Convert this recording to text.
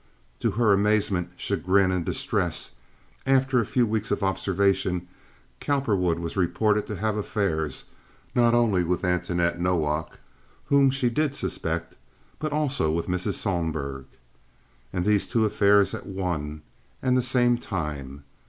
To her amazement, chagrin, and distress, after a few weeks of observation Cowperwood was reported to have affairs not only with Antoinette Nowak, whom she did suspect, but also with Mrs. Sohlberg. And these two affairs at one and the same time.